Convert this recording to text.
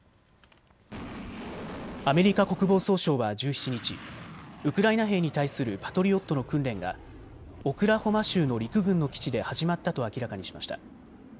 アメリカ国防総省は１７日、ウクライナ兵に対するパトリオットの訓練がオクラホマ州の陸軍の基地で始まったと明らかにしました。